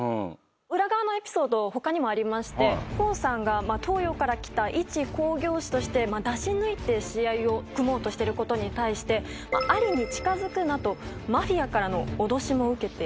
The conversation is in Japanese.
裏側のエピソード、ほかにもありまして、康さんが東洋から来た、一興行師として出し抜いて試合を組もうとしていることに対して、アリに近づくなと、マフィアからの脅しも受けて。